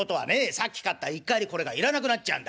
さっき買った一荷入りこれがいらなくなっちゃうんだねえ。